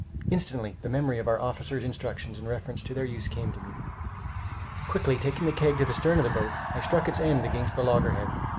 Instantly the memory of our officers' instructions in reference to their use came to me. Quickly taking the keg to the stern of the boat, I struck its end against the loggerhead.